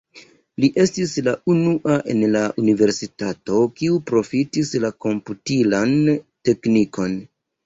Li estis la unua en la universitato, kiu profitis la komputilan teknikon.